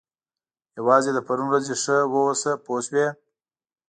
یوازې له پرون ورځې ښه واوسه پوه شوې!.